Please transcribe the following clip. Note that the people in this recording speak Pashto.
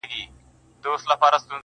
مستي خاموشه کیسې سړې دي -